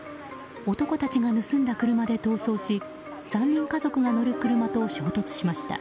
男たちが盗んだ車で逃走し３人家族が乗る車と衝突しました。